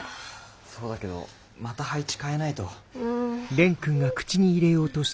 そうだけどまた配置変えないと。